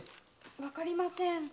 わかりません。